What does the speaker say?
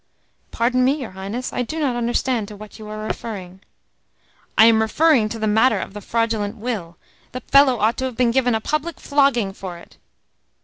"Pardon me, your Highness; I do not understand to what you are referring." "I am referring to the matter of the fraudulent will. The fellow ought to have been given a public flogging for it."